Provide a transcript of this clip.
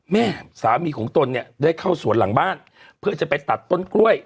แม่สามีของตนเนี่ยได้เข้าสวนหลังบ้านเพื่อจะไปตัดต้นกล้วย